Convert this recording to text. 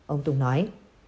ông tùng nói